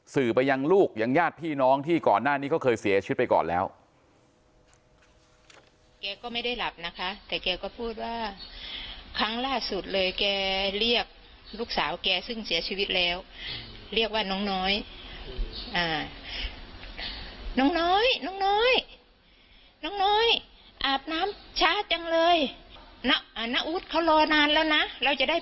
สื่อไปยังลูกยังญาติพี่น้องที่ก่อนหน้านี้เขาเคยเสียชีวิตไปก่อนแล้ว